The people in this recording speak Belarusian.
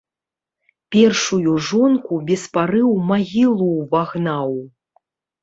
Першую жонку без пары ў магілу ўвагнаў.